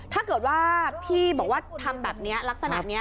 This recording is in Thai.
ถ้าเกิดว่าพี่บอกว่าทำแบบนี้ลักษณะนี้